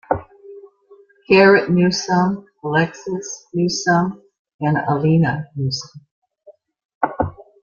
Garrett Newsome, Alexis Newsome, and Alena Newsome.